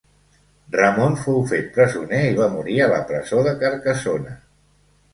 Ramon fou fet presoner i va morir a la presó de Carcassona.